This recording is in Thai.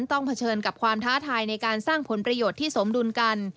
เผชิญกับความท้าทายในการสร้างผลประโยชน์ที่สมดุลกัน